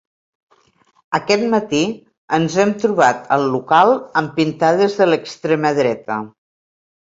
Aquest matí ens hem trobat el local amb pintades de l'extrema dreta.